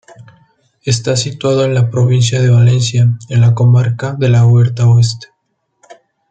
Está situado en la provincia de Valencia, en la comarca de la Huerta Oeste.